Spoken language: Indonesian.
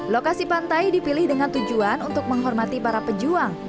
lokasi pantai dipilih dengan tujuan untuk menghormati para pejuang